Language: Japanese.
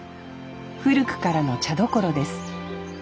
古くからの茶どころです。